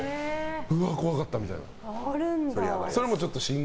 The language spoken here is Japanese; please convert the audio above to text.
怖かったみたいな。